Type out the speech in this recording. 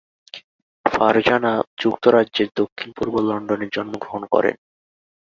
ফারজানা যুক্তরাজ্যের দক্ষিণ পূর্ব লন্ডনে জন্মগ্রহণ করেন।